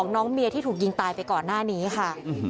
น้องเมียที่ถูกยิงตายไปก่อนหน้านี้ค่ะ